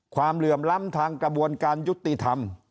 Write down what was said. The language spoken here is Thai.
เหลื่อมล้ำทางกระบวนการยุติธรรม